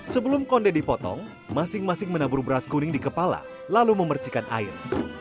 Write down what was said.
sebelum konde dipotong masing masing menabur beras kuning di kepala lalu memercikan air